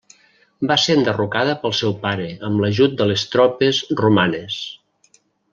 Va ser enderrocada pel seu pare amb l'ajut de les tropes romanes.